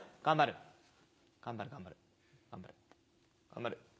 頑張る頑張る！